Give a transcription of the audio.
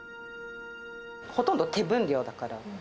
ほとんど手分量だから。